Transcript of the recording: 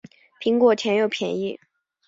苹果甜又便宜